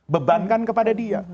bebankan kepada dia